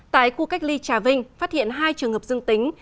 tại khu cách ly trà vinh phát hiện hai trường hợp dương tính